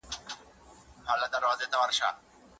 نارينه د هري موضوع اړوند پوهه درڅخه حاصلولای سي.